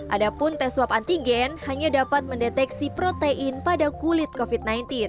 adapun tes swab antigen hanya dapat mendeteksi protein pada kulit covid sembilan belas